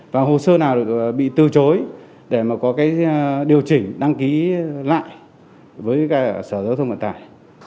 và hồ sơ nào bị từ chối để mà có cái điều chỉnh đăng ký lại với sở giao thông vận tải